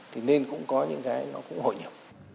thì nên cũng có những cái nó cũng hội nhập